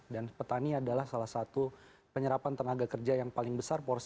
dan petani adalah salah satu penyerapan tenaga kerja yang paling besar porsinya